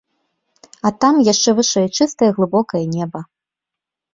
А там, яшчэ вышэй, чыстае глыбокае неба.